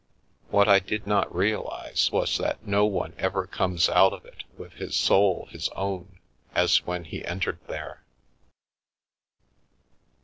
What I did not realise was that no one ever comes out of it with his soul his own as when he entered there.